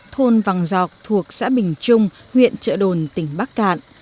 thôn vàng giọc thuộc xã bình trung huyện trợ đồn tỉnh bắc cạn